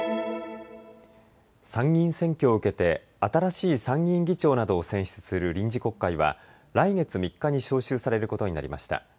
参議院選挙を受けて新しい参議院議長などを選出する臨時国会は来月３日に召集されることになりました。